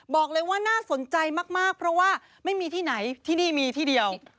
บอกเลยว่าน่าสนใจมากเพราะว่าไม่มีที่ไหนที่นี่มีที่เดียว